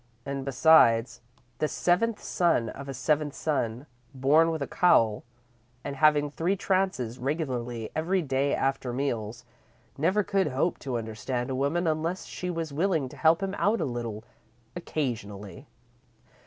And, besides, the seventh son of a seventh son, born with a caul, and having three trances regularly every day after meals, never could hope to understand a woman unless she was willing to help him out a little, occasionally."